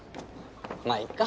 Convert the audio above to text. まぁいっか。